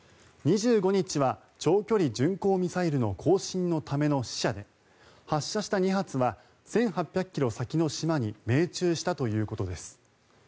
２５日は長距離巡航ミサイルの更新のための試射で発射した２発は１８００ｋｍ先の島に命中したということです。